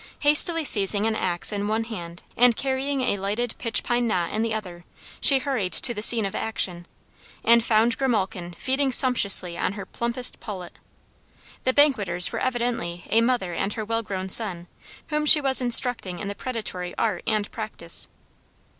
Hastily seizing an axe in one hand and carrying a lighted pitch pine knot in the other, she hurried to the scene of action, and found Grimalkin feasting sumptuously on her plumpest pullet. The banqueters were evidently a mother and her well grown son, whom she was instructing in the predatory art and practice.